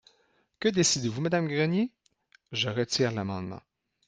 Que décidez-vous, madame Grelier ? Je retire l’amendement.